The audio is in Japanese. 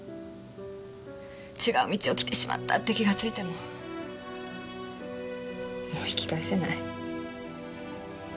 違う道を来てしまったって気がついてももう引き返せない。